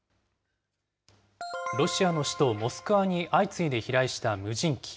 ロシアの首都モスクワに相次いで飛来した無人機。